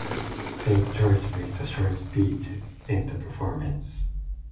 Saint George makes a short speech to end the performance.